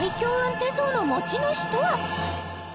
手相の持ち主とは？